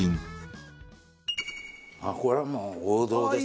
これはもう王道ですよ。